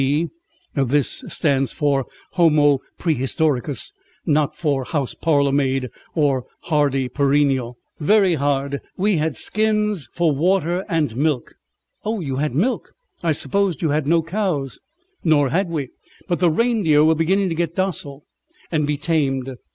P. (this stands for Homo Præhistoricus, not for House Parlourmaid or Hardy Perennial), "very hard. We had skins for water and milk " "Oh! you had milk. I supposed you had no cows." "Nor had we, but the reindeer were beginning to get docile and be tamed.